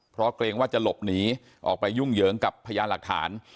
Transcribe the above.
เพราะเกรงว่าจะหลบหนีออกไปยุ่งเหยิงกับพยานหลักฐาน